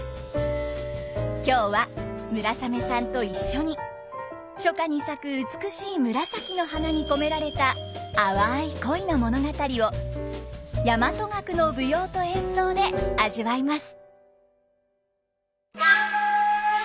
今日は村雨さんと一緒に初夏に咲く美しい紫の花に込められた淡い恋の物語を大和楽の舞踊と演奏で味わいます。